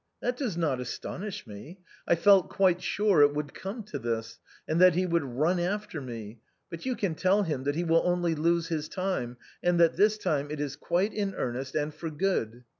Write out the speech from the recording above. That does not astonish me. I felt quite sure it would come to this, and that he would run after me; but you can tell him that he will only lose his time, and that this time it is quite in earnest and for good.